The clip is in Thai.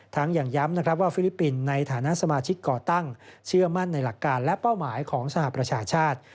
อย่างย้ำนะครับว่าฟิลิปปินส์ในฐานะสมาชิกก่อตั้งเชื่อมั่นในหลักการและเป้าหมายของสหประชาชาติ